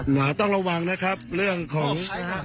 เราต้องระวังนะครับเรื่องของ